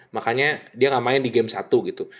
makanya dia gak main di game satu gitu